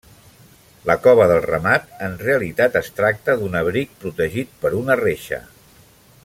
La cova del Ramat en realitat es tracta d'un abric protegit per una reixa.